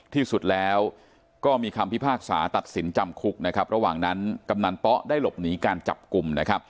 ที่สุดแล้วก็มีคำพิพากษาตัดสินจำคุกนะครับระหว่างนั้นกำนันป๊ะได้หลบหนีการจับกลุ่มนะครับ